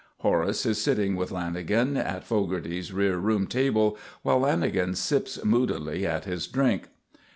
Horace is sitting with Lanagan at Fogarty's rear room table, while Lanagan sips moodily at his drink.